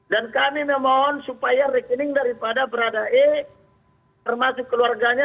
dan kami memohon supaya rekening daripada baradae termasuk keluarganya